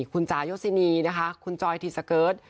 คุณจ่ายศินีนะคะคุณจอยทีสเกิร์ต